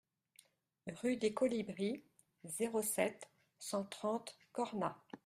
Rue des Colibris, zéro sept, cent trente Cornas